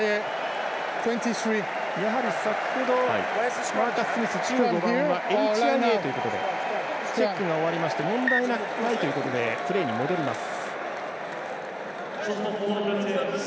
やはり先ほどマーカス・スミスＨＩＡというところでチェックが終わりまして問題はないということでプレーに戻ります。